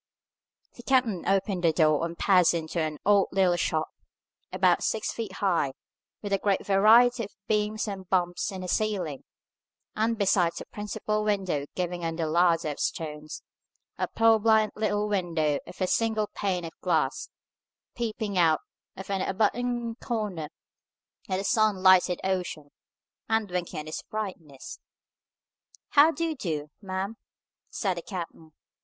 The captain opened the door, and passed into an odd little shop, about six feet high, with a great variety of beams and bumps in the ceiling, and, besides the principal window giving on the ladder of stones, a purblind little window of a single pane of glass, peeping out of an abutting corner at the sun lighted ocean, and winking at its brightness. "How do you do, ma'am?" said the captain.